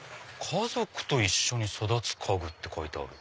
「家族といっしょに育つ家具」って書いてある。